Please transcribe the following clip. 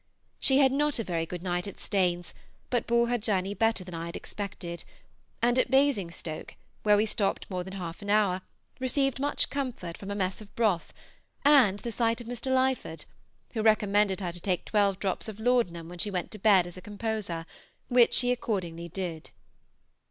She had not a very good night at Staines, but bore her journey better than I had expected, and at Basingstoke, where we stopped more than half an hour, received much comfort from a mess of broth and the sight of Mr. Lyford, who recommended her to take twelve drops of laudanum when she went to bed as a composer, which she accordingly did.